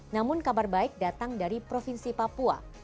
namun kabar baik datang dari provinsi papua